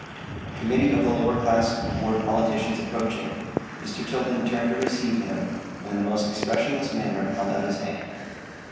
A committee of the lower class of ward politicians approaching, Mr. Tilden turned to receive him, and in the most expressionless manner held out his hand.